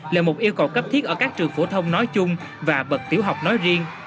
là một yêu cầu cấp thiết ở các trường phổ thông nói chung và bậc tiểu học nói riêng